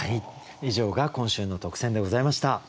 以上が今週の特選でございました。